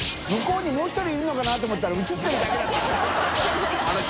海Δもう１人いるのかな？と思ったら映ってるだけだった。